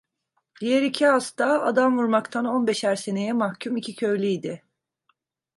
Diğer iki hasta, adam vurmaktan on beşer seneye mahkum iki köylü idi.